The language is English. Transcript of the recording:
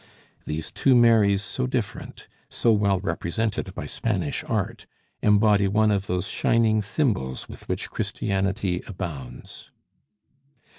These two Marys so different, so well represented by Spanish art, embody one of those shining symbols with which Christianity abounds.